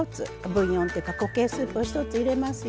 ブイヨンっていうか固形スープを１つ入れますよ。